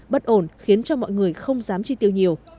bất ổn khiến cho mọi người không dám chi tiêu nhiều